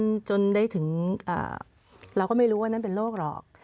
จนได้ถึงเราก็ไม่รู้ว่านั่นเป็นโรคหรอก